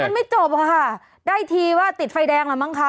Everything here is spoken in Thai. มันไม่จบค่ะได้ทีว่าติดไฟแดงแล้วมั้งคะ